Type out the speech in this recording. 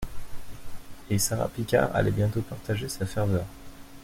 Et Sara Picard allait bientôt partager sa ferveur.